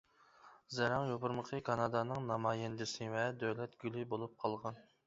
زەرەڭ يوپۇرمىقى كانادانىڭ نامايەندىسى ۋە دۆلەت گۈلى بولۇپ قالغان.